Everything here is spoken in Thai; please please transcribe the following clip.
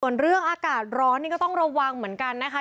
ส่วนเรื่องอากาศร้อนนี่ก็ต้องระวังเหมือนกันนะคะ